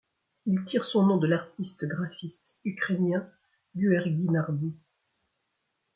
Il tire son nom de l'artiste graphiste ukrainien Gueorgui Narbout.